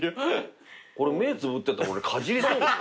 これ目つぶってたら俺かじりそう。